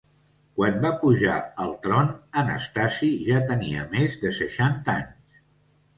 Quan va pujar al tron, Anastasi ja tenia més de seixanta anys.